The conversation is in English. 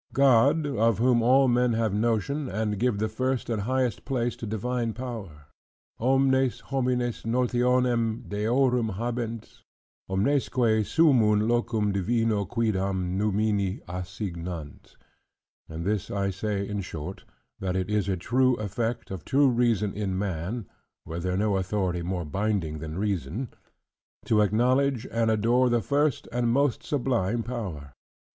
"God, of whom all men have notion, and give the first and highest place to divine power": "Omnes homines notionem deorum habent, omnesque summun locum divino cuidam numini assignant." And this I say in short; that it is a true effect of true reason in man (were there no authority more binding than reason) to acknowledge and adore the first and most sublime power.